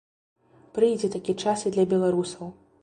Прыйдзе такі час і для беларусаў.